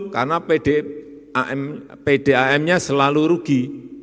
karena pdam nya selalu rugi